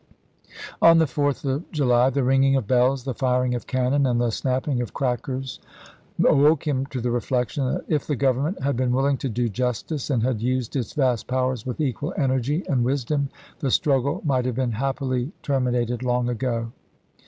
On the Fourth of July the ringing of bells, the firing of cannon, and the snapping of crackers awoke him to the reflection that "if the Government had been willing to do justice, and had used its vast powers with equal energy and wisdom, the struggle might have been happily ter iwd.,p.623. minated long ago."